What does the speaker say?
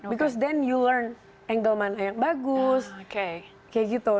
because then you learn angle mana yang bagus kayak gitu